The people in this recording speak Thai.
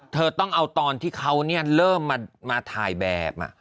เธอต้องเอาตอนที่เขาเริ่มมาถ่ายแบบ